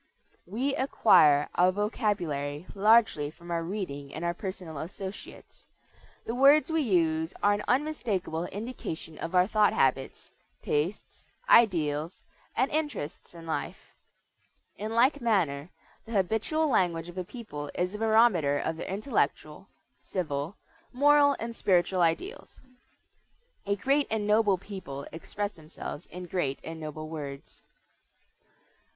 We acquire our vocabulary largely from our reading and our personal associates. The words we use are an unmistakable indication of our thought habits, tastes, ideals, and interests in life. In like manner, the habitual language of a people is a barometer of their intellectual, civil, moral, and spiritual ideals. A great and noble people express themselves in great and noble words.